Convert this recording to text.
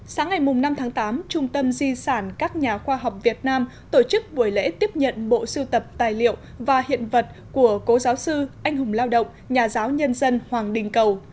sáng ngày năm tháng tám trung tâm di sản các nhà khoa học việt nam tổ chức buổi lễ tiếp nhận bộ sưu tập tài liệu và hiện vật của cố giáo sư anh hùng lao động nhà giáo nhân dân hoàng đình cầu